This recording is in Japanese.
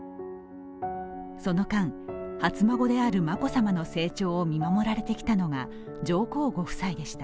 その間、初孫である眞子さまの成長を見守られてきたのが上皇ご夫妻でした。